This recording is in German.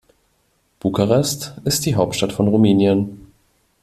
Bukarest ist die Hauptstadt von Rumänien.